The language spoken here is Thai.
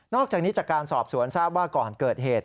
อกจากนี้จากการสอบสวนทราบว่าก่อนเกิดเหตุ